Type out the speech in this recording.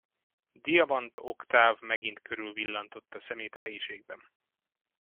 Diamant Oktáv megint körülvillantotta szemét a helyiségben.